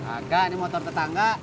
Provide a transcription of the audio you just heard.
agak ini motor tetangga